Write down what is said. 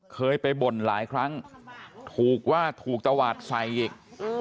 เคยไปบ่นหลายครั้งถูกว่าถูกตวาดใส่อีก